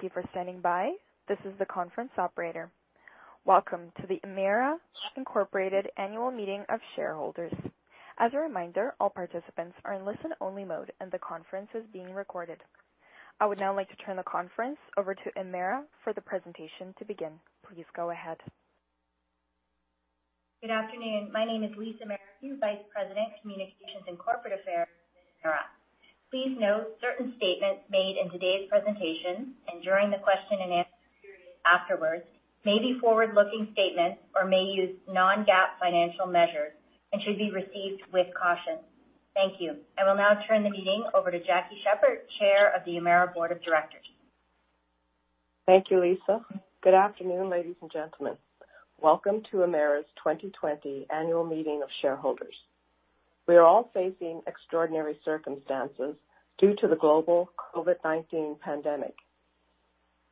Thank you for standing by. This is the conference operator. Welcome to the Emera Incorporated Annual Meeting of Shareholders. As a reminder, all participants are in listen-only mode, and the conference is being recorded. I would now like to turn the conference over to Emera for the presentation to begin. Please go ahead. Good afternoon. My name is Lisa Merrithew, Vice President, Communications and Corporate Affairs at Emera. Please note certain statements made in today's presentation, and during the question-and-answer period afterwards, may be forward-looking statements or may use non-GAAP financial measures and should be received with caution. Thank you. I will now turn the meeting over to Jackie Sheppard, Chair of the Emera Board of Directors. Thank you, Lisa. Good afternoon, ladies and gentlemen. Welcome to Emera's 2020 Annual Meeting of Shareholders. We are all facing extraordinary circumstances due to the global COVID-19 pandemic.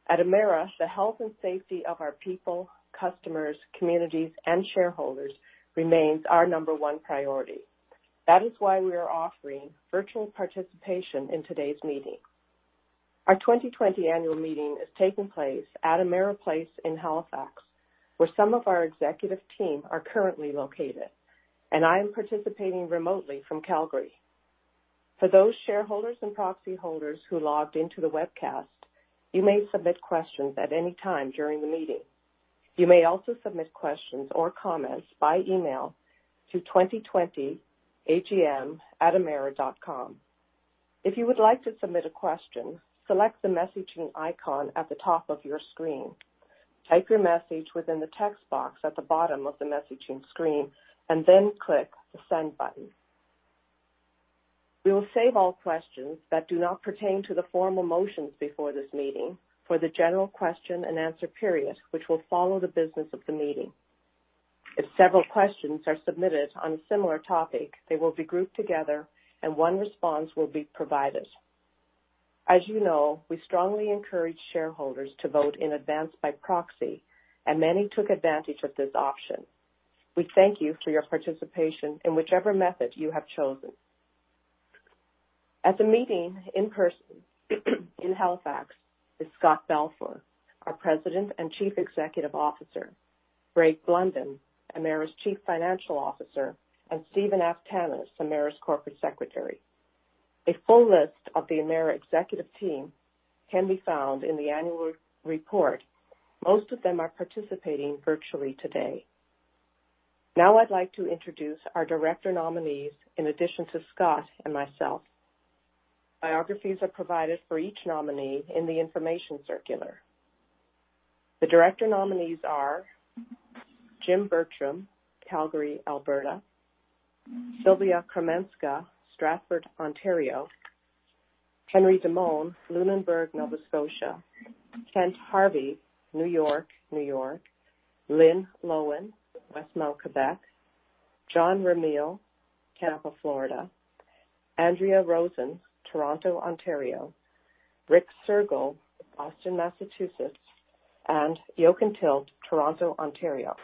At Emera, the health and safety of our people, customers, communities, and shareholders remains our number one priority. That is why we are offering virtual participation in today's meeting. Our 2020 annual meeting is taking place at Emera Place in Halifax, where some of our executive team are currently located, and I am participating remotely from Calgary. For those shareholders and proxy holders who logged into the webcast, you may submit questions at any time during the meeting. You may also submit questions or comments by email to 2020AGM@emera.com. If you would like to submit a question, select the messaging icon at the top of your screen. Type your message within the text box at the bottom of the messaging screen, and then click the send button. We will save all questions that do not pertain to the formal motions before this meeting for the general question-and-answer period, which will follow the business of the meeting. If several questions are submitted on a similar topic, they will be grouped together, and one response will be provided. As you know, we strongly encourage shareholders to vote in advance by proxy, and many took advantage of this option. We thank you for your participation in whichever method you have chosen. At the meeting in person in Halifax is Scott Balfour, our President and Chief Executive Officer, Greg Blunden, Emera's Chief Financial Officer, and Stephen Aftanas, Emera's Corporate Secretary. A full list of the Emera executive team can be found in the annual report. Most of them are participating virtually today. I'd like to introduce our director nominees, in addition to Scott and myself. Biographies are provided for each nominee in the information circular. The director nominees are Jim Bertram, Calgary, Alberta. Sylvia Chrominska, Stratford, Ontario. Henry Demone, Lunenburg, Nova Scotia. Kent Harvey, New York, N.Y. Lynn Loewen, Westmount, Quebec. John Ramil, Tampa, Florida. Andrea Rosen, Toronto, Ontario. Rick Sergel, Boston, Massachusetts, and Jochen Tilk, Toronto, Ontario.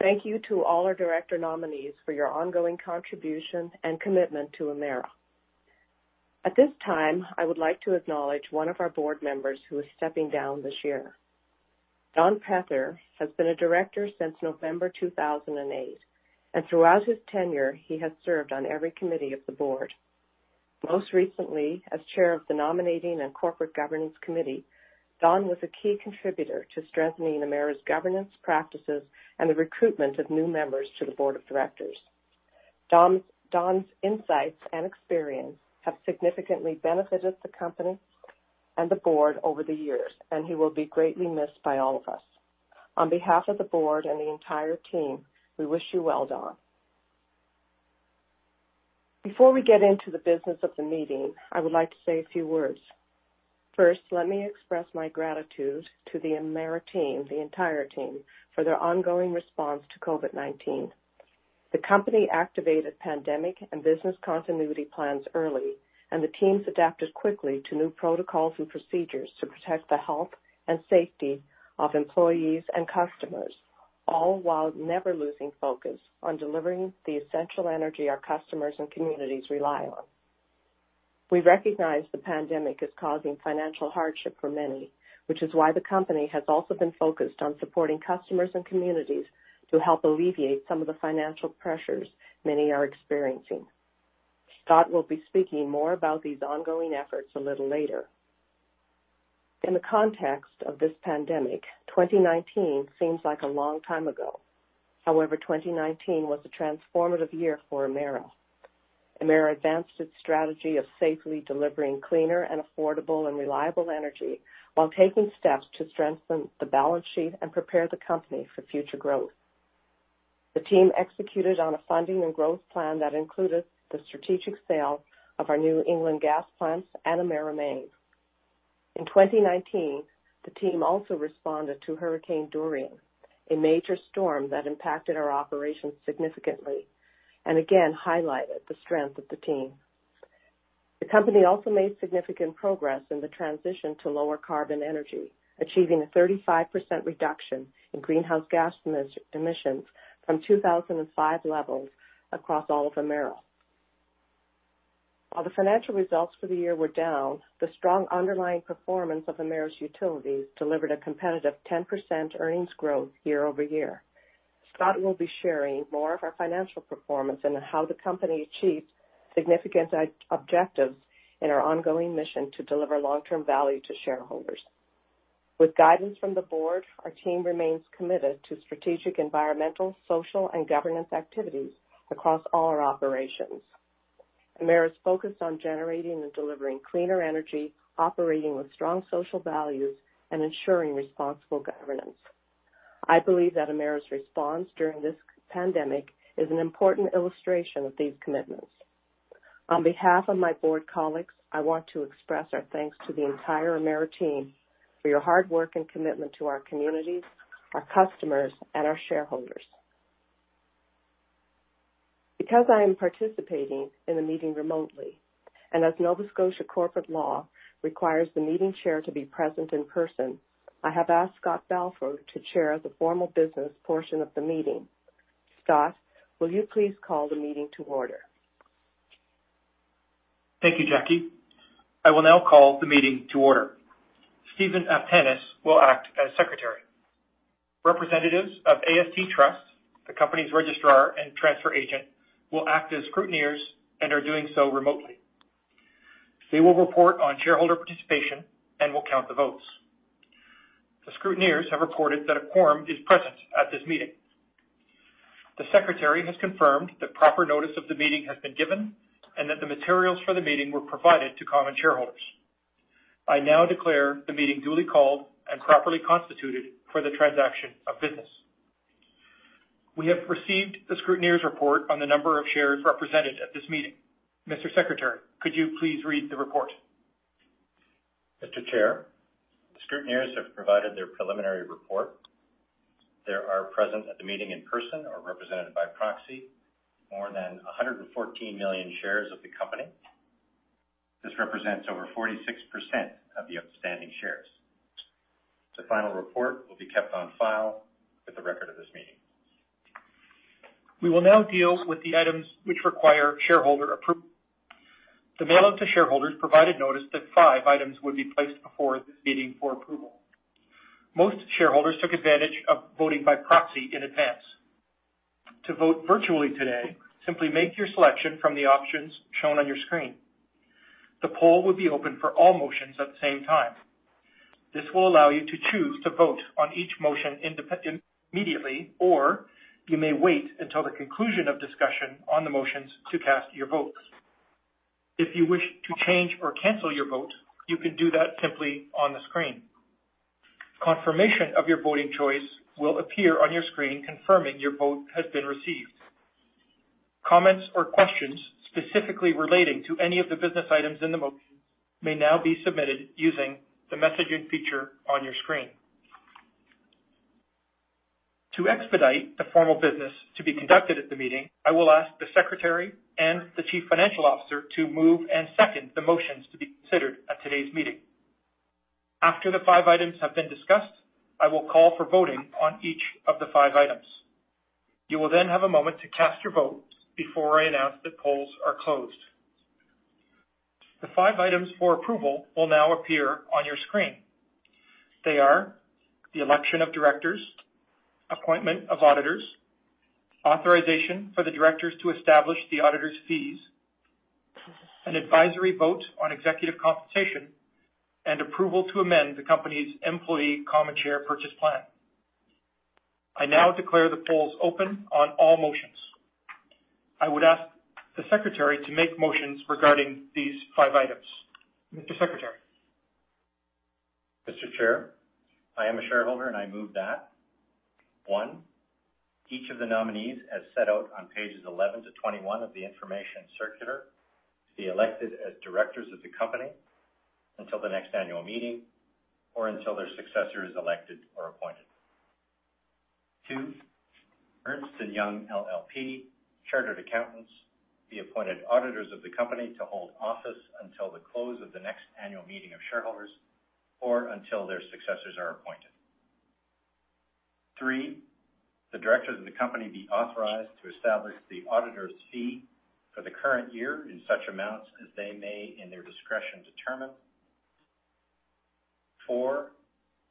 Thank you to all our director nominees for your ongoing contribution and commitment to Emera. At this time, I would like to acknowledge one of our board members who is stepping down this year. Don Pether has been a director since November 2008, and throughout his tenure, he has served on every committee of the board. Most recently, as Chair of the Nominating and Corporate Governance Committee, Don was a key contributor to strengthening Emera's governance practices and the recruitment of new members to the board of directors. Don's insights and experience have significantly benefited the company and the board over the years, and he will be greatly missed by all of us. On behalf of the board and the entire team, we wish you well, Don. Before we get into the business of the meeting, I would like to say a few words. First, let me express my gratitude to the Emera team, the entire team, for their ongoing response to COVID-19. The company activated pandemic and business continuity plans early, and the teams adapted quickly to new protocols and procedures to protect the health and safety of employees and customers, all while never losing focus on delivering the essential energy our customers and communities rely on. We recognize the pandemic is causing financial hardship for many, which is why the company has also been focused on supporting customers and communities to help alleviate some of the financial pressures many are experiencing. Scott will be speaking more about these ongoing efforts a little later. In the context of this pandemic, 2019 seems like a long time ago. However, 2019 was a transformative year for Emera. Emera advanced its strategy of safely delivering cleaner and affordable and reliable energy while taking steps to strengthen the balance sheet and prepare the company for future growth. The team executed on a funding and growth plan that included the strategic sale of our New England gas plants and Emera Maine. In 2019, the team also responded to Hurricane Dorian, a major storm that impacted our operations significantly and again highlighted the strength of the team. The company also made significant progress in the transition to lower carbon energy, achieving a 35% reduction in greenhouse gas emissions from 2005 levels across all of Emera. While the financial results for the year were down, the strong underlying performance of Emera's Utilities delivered a competitive 10% earnings growth year-over-year. Scott will be sharing more of our financial performance and how the company achieved significant objectives in our ongoing mission to deliver long-term value to shareholders. With guidance from the board, our team remains committed to strategic, environmental, social, and governance activities across all our operations. Emera's focused on generating and delivering cleaner energy, operating with strong social values, and ensuring responsible governance. I believe that Emera's response during this COVID-19 pandemic is an important illustration of these commitments. On behalf of my board colleagues, I want to express our thanks to the entire Emera team for your hard work and commitment to our communities, our customers, and our shareholders. Because I am participating in the meeting remotely, and as Nova Scotia corporate law requires the meeting chair to be present in person, I have asked Scott Balfour to chair the formal business portion of the meeting. Scott, will you please call the meeting to order? Thank you, Jackie. I will now call the meeting to order. Stephen Aftanas will act as secretary. Representatives of AST Trust, the company's registrar and transfer agent, will act as scrutineers and are doing so remotely. They will report on shareholder participation and will count the votes. The scrutineers have reported that a quorum is present at this meeting. The secretary has confirmed that proper notice of the meeting has been given and that the materials for the meeting were provided to common shareholders. I now declare the meeting duly called and properly constituted for the transaction of business. We have received the scrutineers' report on the number of shares represented at this meeting. Mr. Secretary, could you please read the report? Mr. Chair, the scrutineers have provided their preliminary report. There are present at the meeting in person or represented by proxy, more than 114 million shares of the company. This represents over 46% of the outstanding shares. The final report will be kept on file with the record of this meeting. We will now deal with the items which require shareholder approval. The mail to shareholders provided notice that five items would be placed before this meeting for approval. Most shareholders took advantage of voting by proxy in advance. To vote virtually today, simply make your selection from the options shown on your screen. The poll will be open for all motions at the same time. This will allow you to choose to vote on each motion immediately, or you may wait until the conclusion of discussion on the motions to cast your votes. If you wish to change or cancel your vote, you can do that simply on the screen. Confirmation of your voting choice will appear on your screen confirming your vote has been received. Comments or questions specifically relating to any of the business items in the motions may now be submitted using the messaging feature on your screen. To expedite the formal business to be conducted at the meeting, I will ask the secretary and the chief financial officer to move and second the motions to be considered at today's meeting. After the five items have been discussed, I will call for voting on each of the five items. You will then have a moment to cast your vote before I announce that polls are closed. The five items for approval will now appear on your screen. They are the election of directors, appointment of auditors, authorization for the directors to establish the auditors' fees, an advisory vote on executive compensation, and approval to amend the company's employee common share purchase plan. I now declare the polls open on all motions. I would ask the secretary to make motions regarding these five items. Mr. Secretary? Mr. Chair, I am a shareholder. I move that, one, each of the nominees, as set out on pages 11 to 21 of the information circular, to be elected as directors of the company until the next annual meeting or until their successor is elected or appointed. Two, Ernst & Young LLP Chartered Accountants be appointed auditors of the company to hold office until the close of the next annual meeting of shareholders or until their successors are appointed. Three, the directors of the company be authorized to establish the auditor's fee for the current year in such amounts as they may, in their discretion, determine. Four,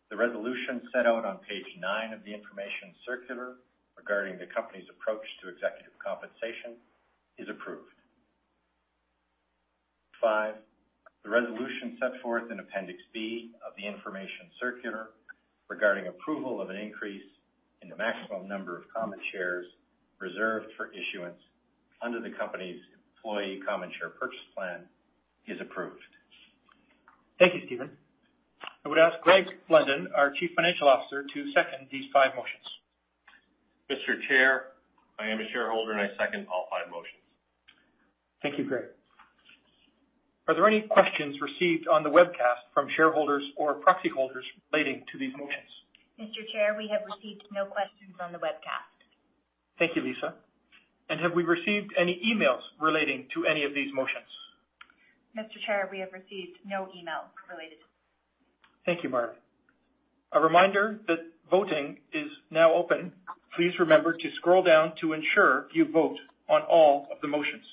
the resolution set out on page nine of the information circular regarding the company's approach to executive compensation is approved. Five, the resolution set forth in Appendix B of the information circular regarding approval of an increase in the maximum number of common shares reserved for issuance under the company's Employee Common Share Purchase Plan is approved. Thank you, Stephen. I would ask Greg Blunden, our Chief Financial Officer, to second these five motions. Mr. Chair, I am a shareholder. I second all five motions. Thank you, Greg. Are there any questions received on the webcast from shareholders or proxy holders relating to these motions? Mr. Chair, we have received no questions on the webcast. Thank you, Lisa. Have we received any emails relating to any of these motions? Mr. Chair, we have received no email related. Thank you. A reminder that voting is now open. Please remember to scroll down to ensure you vote on all of the motions.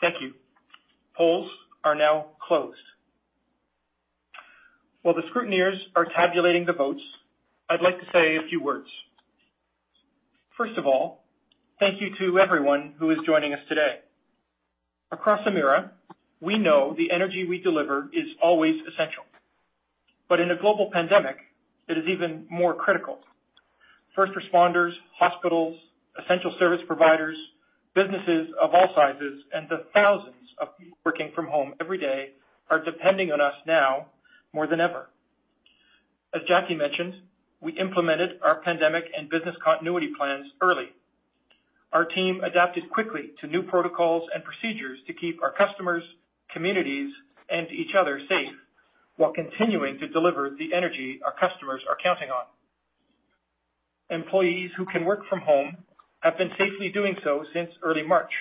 Thank you. Polls are now closed. While the scrutineers are tabulating the votes, I'd like to say a few words. First of all, thank you to everyone who is joining us today. Across Emera, we know the energy we deliver is always essential. In a global pandemic, it is even more critical. First responders, hospitals, essential service providers, businesses of all sizes, and the thousands of people working from home every day are depending on us now more than ever. As Jackie mentioned, we implemented our pandemic and business continuity plans early. Our team adapted quickly to new protocols and procedures to keep our customers, communities, and each other safe while continuing to deliver the energy our customers are counting on. Employees who can work from home have been safely doing so since early March,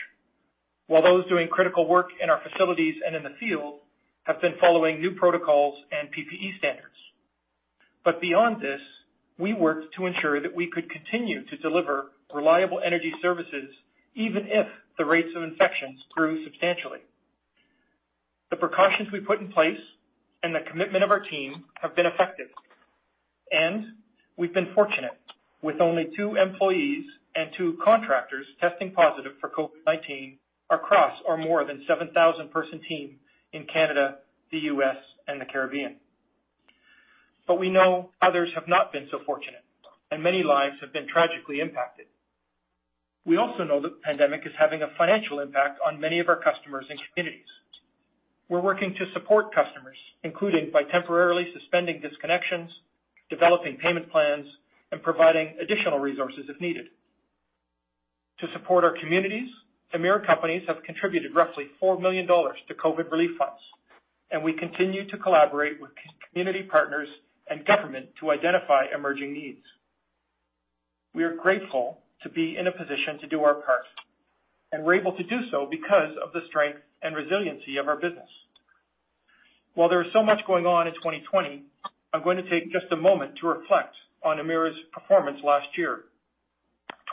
while those doing critical work in our facilities and in the field have been following new protocols and PPE standards. Beyond this, we worked to ensure that we could continue to deliver reliable energy services, even if the rates of infections grew substantially. The precautions we put in place and the commitment of our team have been effective. We've been fortunate, with only two employees and two contractors testing positive for COVID-19 across our more than 7,000-person team in Canada, the U.S., and the Caribbean. We know others have not been so fortunate, and many lives have been tragically impacted. We also know the pandemic is having a financial impact on many of our customers and communities. We're working to support customers, including by temporarily suspending disconnections, developing payment plans, and providing additional resources if needed. To support our communities, Emera companies have contributed roughly 4 million dollars to COVID-19 relief funds, and we continue to collaborate with community partners and government to identify emerging needs. We are grateful to be in a position to do our part, and we're able to do so because of the strength and resiliency of our business. While there is so much going on in 2020, I'm going to take just a moment to reflect on Emera's performance last year.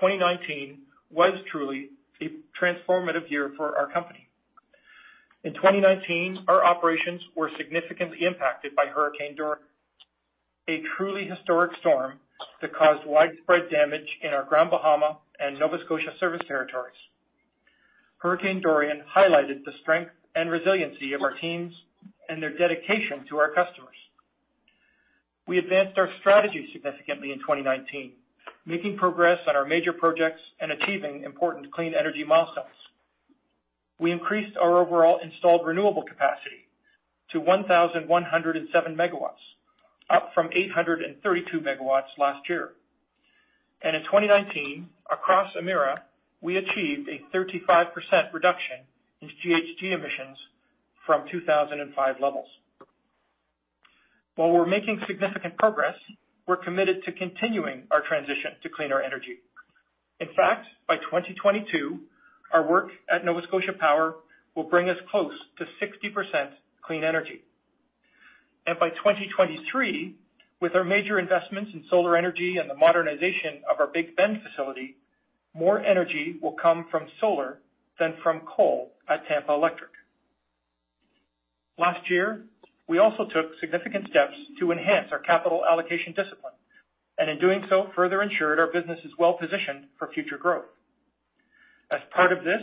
2019 was truly a transformative year for our company. In 2019, our operations were significantly impacted by Hurricane Dorian, a truly historic storm that caused widespread damage in our Grand Bahama and Nova Scotia service territories. Hurricane Dorian highlighted the strength and resiliency of our teams and their dedication to our customers. We advanced our strategy significantly in 2019, making progress on our major projects and achieving important clean energy milestones. We increased our overall installed renewable capacity to 1,107 MW, up from 832 MW last year. In 2019, across Emera, we achieved a 35% reduction in GHG emissions from 2005 levels. While we're making significant progress, we're committed to continuing our transition to cleaner energy. In fact, by 2022, our work at Nova Scotia Power will bring us close to 60% clean energy. By 2023, with our major investments in solar energy and the modernization of our Big Bend facility, more energy will come from solar than from coal at Tampa Electric. Last year, we also took significant steps to enhance our capital allocation discipline, and in doing so, further ensured our business is well-positioned for future growth. As part of this,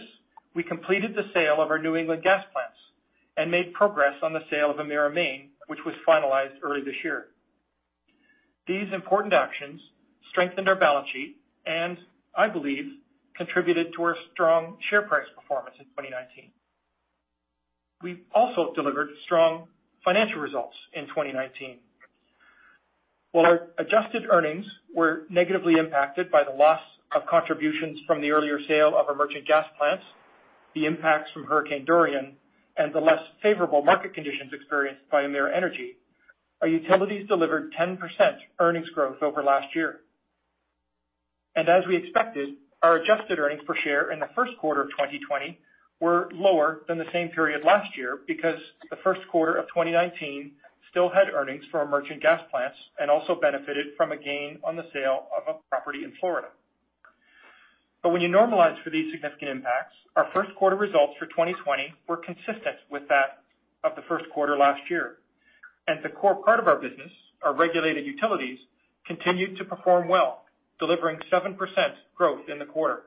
we completed the sale of our New England gas plants and made progress on the sale of Emera Maine, which was finalized early this year. These important actions strengthened our balance sheet and, I believe, contributed to our strong share price performance in 2019. We also delivered strong financial results in 2019. While our adjusted earnings were negatively impacted by the loss of contributions from the earlier sale of our merchant gas plants, the impacts from Hurricane Dorian, and the less favorable market conditions experienced by Emera Energy, our utilities delivered 10% earnings growth over last year. As we expected, our adjusted earnings per share in the first quarter of 2020 were lower than the same period last year because the first quarter of 2019 still had earnings for our merchant gas plants and also benefited from a gain on the sale of a property in Florida. When you normalize for these significant impacts, our first quarter results for 2020 were consistent with that of the first quarter last year. The core part of our business, our regulated utilities, continued to perform well, delivering 7% growth in the quarter.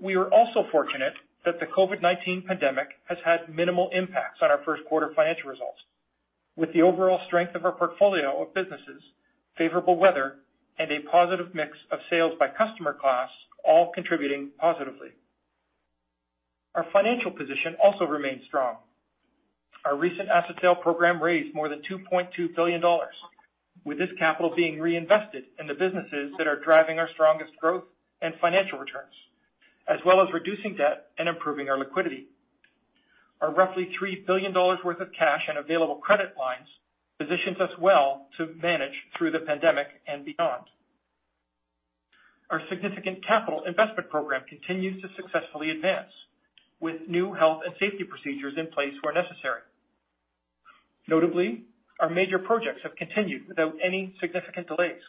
We were also fortunate that the COVID-19 pandemic has had minimal impacts on our first quarter financial results. With the overall strength of our portfolio of businesses, favorable weather, and a positive mix of sales by customer class all contributing positively. Our financial position also remains strong. Our recent asset sale program raised more than 2.2 billion dollars, with this capital being reinvested in the businesses that are driving our strongest growth and financial returns, as well as reducing debt and improving our liquidity. Our roughly 3 billion dollars worth of cash and available credit lines positions us well to manage through the pandemic and beyond. Our significant capital investment program continues to successfully advance with new health and safety procedures in place where necessary. Notably, our major projects have continued without any significant delays.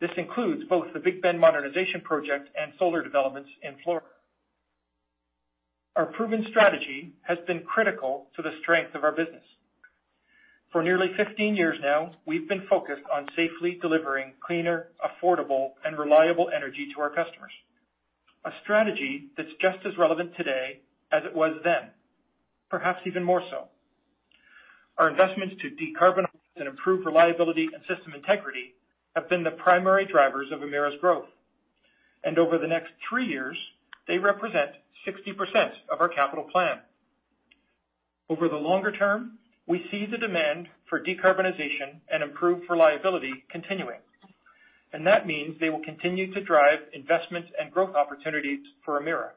This includes both the Big Bend modernization project and solar developments in Florida. Our proven strategy has been critical to the strength of our business. For nearly 15 years now, we've been focused on safely delivering cleaner, affordable, and reliable energy to our customers. A strategy that's just as relevant today as it was then, perhaps even more so. Our investments to decarbonize and improve reliability and system integrity have been the primary drivers of Emera's growth. Over the next three years, they represent 60% of our capital plan. Over the longer term, we see the demand for decarbonization and improved reliability continuing, and that means they will continue to drive investments and growth opportunities for Emera.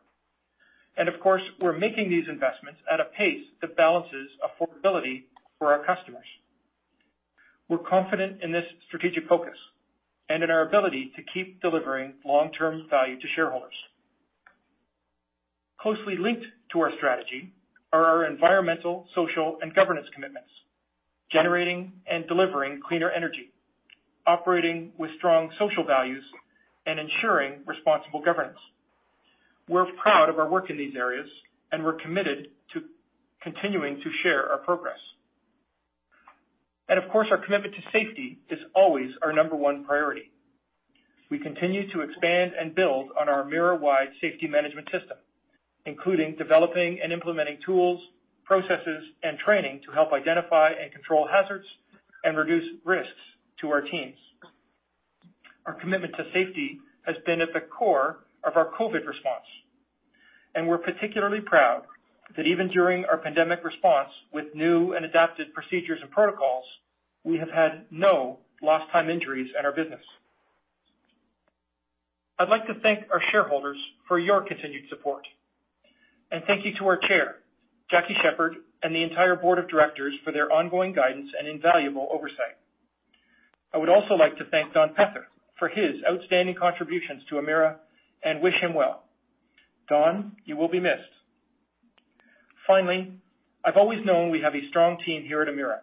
Of course, we're making these investments at a pace that balances affordability for our customers. We're confident in this strategic focus and in our ability to keep delivering long-term value to shareholders. Closely linked to our strategy are our environmental, social, and governance commitments. Generating and delivering cleaner energy, operating with strong social values, and ensuring responsible governance. We're proud of our work in these areas, and we're committed to continuing to share our progress. Of course, our commitment to safety is always our number one priority. We continue to expand and build on our Emera-wide safety management system, including developing and implementing tools, processes, and training to help identify and control hazards and reduce risks to our teams. Our commitment to safety has been at the core of our COVID-19 response. We're particularly proud that even during our pandemic response with new and adapted procedures and protocols, we have had no lost time injuries in our business. I'd like to thank our shareholders for your continued support. Thank you to our Chair, Jackie Sheppard, and the entire Board of Directors for their ongoing guidance and invaluable oversight. I would also like to thank Don Pether for his outstanding contributions to Emera and wish him well. Don, you will be missed. Finally, I've always known we have a strong team here at Emera.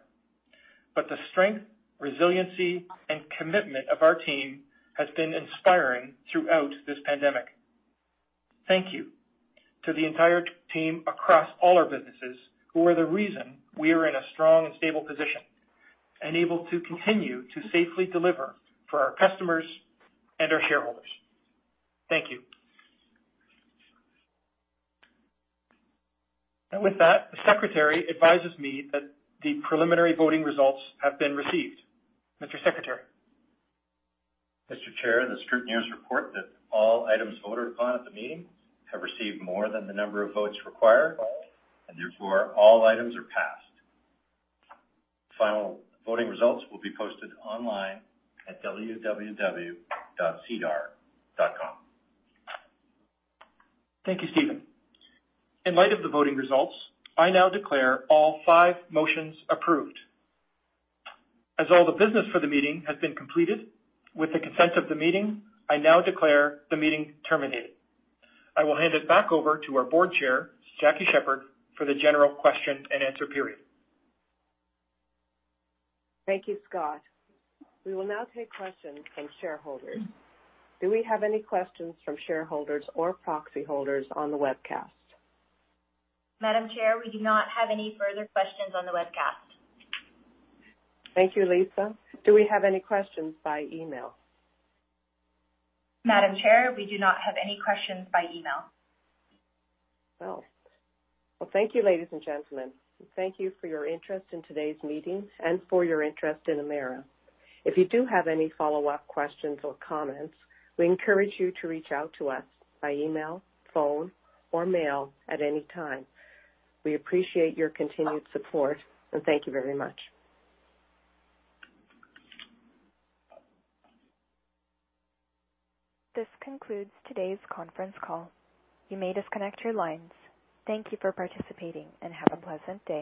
The strength, resiliency, and commitment of our team has been inspiring throughout this pandemic. Thank you to the entire team across all our businesses who are the reason we are in a strong and stable position and able to continue to safely deliver for our customers and our shareholders. Thank you. With that, the secretary advises me that the preliminary voting results have been received. Mr. Secretary? Mr. Chair, the scrutineers report that all items voted upon at the meeting have received more than the number of votes required, and therefore all items are passed. Final voting results will be posted online at www.sedar.com. Thank you, Stephen. In light of the voting results, I now declare all five motions approved. As all the business for the meeting has been completed, with the consent of the meeting, I now declare the meeting terminated. I will hand it back over to our Board Chair, Jackie Sheppard, for the general question and answer period. Thank you, Scott. We will now take questions from shareholders. Do we have any questions from shareholders or proxy holders on the webcast? Madam Chair, we do not have any further questions on the webcast. Thank you, Lisa. Do we have any questions by email? Madam Chair, we do not have any questions by email. Well, thank you, ladies and gentlemen. Thank you for your interest in today's meeting and for your interest in Emera. If you do have any follow-up questions or comments, we encourage you to reach out to us by email, phone, or mail at any time. We appreciate your continued support, and thank you very much. This concludes today's conference call. You may disconnect your lines. Thank you for participating, and have a pleasant day.